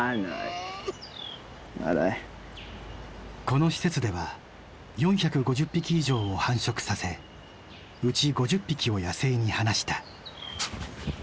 この施設では４５０匹以上を繁殖させうち５０匹を野生に放した。